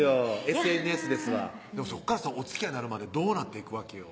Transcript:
ＳＮＳですわそこからおつきあいになるまでどうなっていくわけよ